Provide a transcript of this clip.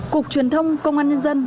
cục truyền thông công an nhân dân